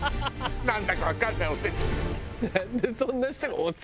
なんだかわかんないお節食って。